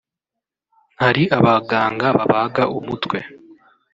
hari abaganga babaga umutwe